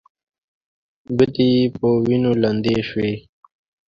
ګوتې يې په وينو لندې شوې.